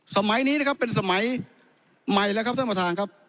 สมัยนี้นะครับเป็นสมัยใหม่แล้วครับท่านประธานครับ